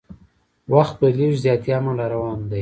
وخت بدلیږي زیاتي امن را روان دی